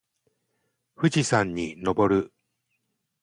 富士山に登る